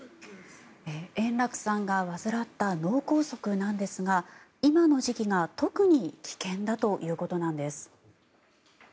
円楽さんが患った脳梗塞なんですが今の時期が特に危険だということなんです。